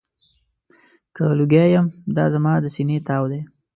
که لوګی یم، دا زما د سینې تاو دی.